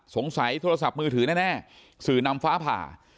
โทรศัพท์มือถือแน่สื่อนำฟ้าผ่า